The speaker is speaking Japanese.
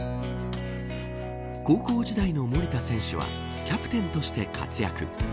高校時代の守田選手はキャプテンとして活躍。